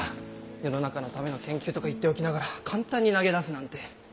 世の中のための研究とか言っておきながら簡単に投げ出すなんて。